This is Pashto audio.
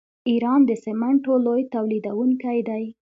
ایران د سمنټو لوی تولیدونکی دی.